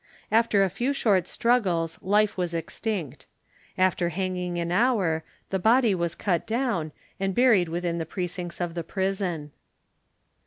After a few short struggles, life was extinct. After hanging an hour, the body was cut down, and buried within the precincts of the prison.